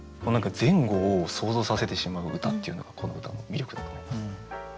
前後を想像させてしまう歌っていうのがこの歌の魅力だと思います。